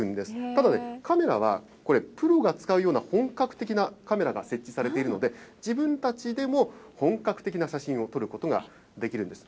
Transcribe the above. ただカメラは、これ、プロが使うような本格的なカメラが設置されているので、自分たちでも、本格的な写真を撮ることができるんです。